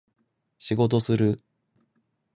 仕事する